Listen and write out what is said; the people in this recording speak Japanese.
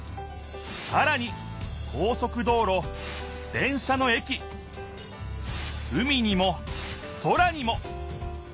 さらに高そく道ろ電車のえき海にも空にも！